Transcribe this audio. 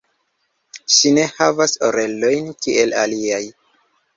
Ŝi ne havas orelojn kiel aliaj.